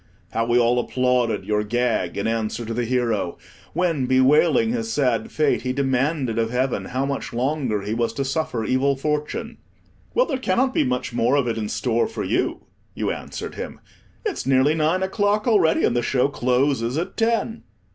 How we all applauded your gag in answer to the hero, when, bewailing his sad fate, he demanded of Heaven how much longer he was to suffer evil fortune. "Well, there cannot be much more of it in store for you," you answered him; "it's nearly nine o'clock already, and the show closes at ten."